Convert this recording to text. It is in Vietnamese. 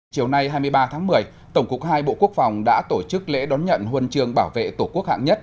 chiều nay hai mươi ba tháng một mươi tổng cục hai bộ quốc phòng đã tổ chức lễ đón nhận huân trường bảo vệ tổ quốc hạng nhất